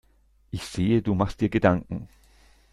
Ich sehe, du machst dir Gedanken.